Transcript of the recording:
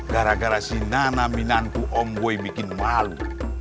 gara gara si nanaminanku omboi bikin malu